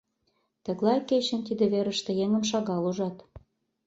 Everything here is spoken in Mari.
Тыглай кечын тиде верыште еҥым шагал ужат.